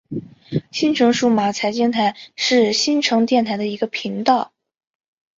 新城数码财经台是新城电台的一个频道。